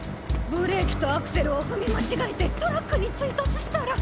ブレーキとアクセルを踏み間違えてトラックに追突したら。